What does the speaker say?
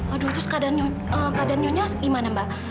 aduh terus keadaan nyonya gimana mbak